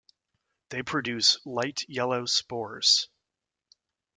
They produce light yellow spores.